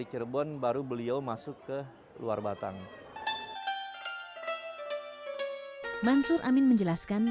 itu dari banten sampai ke jawa timur sana kan